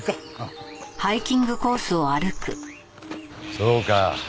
そうか。